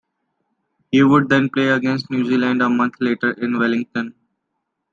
He would then play against New Zealand a month later in Wellington.